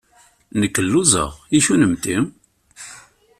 Nekk lluẓeɣ. I kennemti?